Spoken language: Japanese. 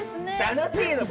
楽しいの。